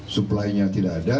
supply nya tidak ada